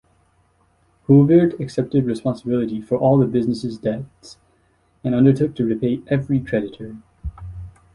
Hulbert accepted responsibility for all the business's debts and undertook to repay every creditor.